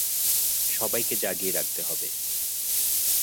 সবাইকে জাগিয়ে রাখতে হবে।